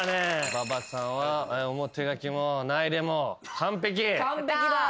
馬場さんは表書きも名入れも完璧。